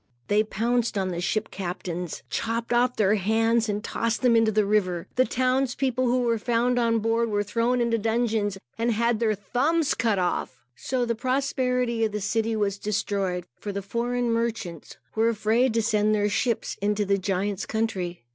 They pounced on the ship captains, chopped off their hands and tossed them into the river. The townspeople, who were found on board, were thrown into the dungeons and had their thumbs cut off. So the prosperity of the city was destroyed, for the foreign merchants were afraid to send their ships into the giant's country.